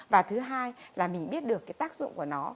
và thứ hai là mình biết được cái tác dụng của nó